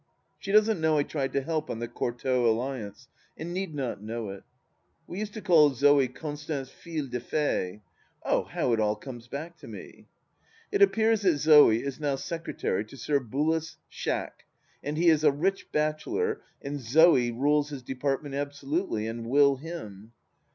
She doesn't know I tried to help on the Courtauld alliance, and need not know it. We used to call Zo6, Constance Fille de Fay. (Oh, how it all comes back to me !) It appears that ZoE is now secretary to Sir Bullace Schack, and he is a rich bachelor and ZoS rules his department absolutely, and will him.